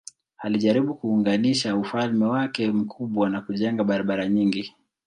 Alijaribu kuunganisha ufalme wake mkubwa kwa kujenga barabara nyingi.